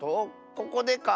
ここでか？